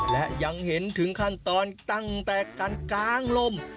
และยังเห็นถึงขั้นตอนตั้งแต่การกางลม